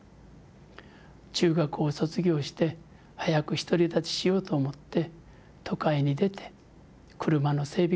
中学校を卒業して早く独り立ちしようと思って都会に出て車の整備